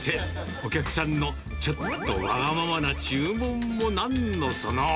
お客さんのちょっとわがままな注文もなんのその。